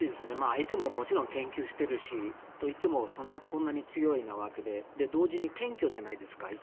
相手ももちろん研究してるしといっても、こんなに強いわけで同時に謙虚じゃないですか。